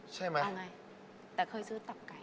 ใช่ไหมอะไรแต่เคยซื้อตับไก่